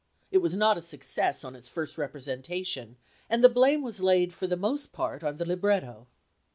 It was not a success on its first representation, and the blame was laid for the most part on the libretto.